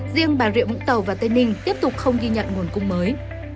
riêng bà rịa vũng tàu và tây ninh tiếp tục không ghi nhận nguồn cung mới